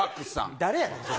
誰やねん、それ。